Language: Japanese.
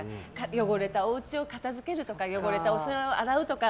汚れたお家を片付けるとか汚れたお皿を洗うとか。